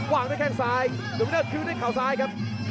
วางด้วยแข่งซ้ายดูวินเนอร์คิวด้วยข่าวซ้ายครับ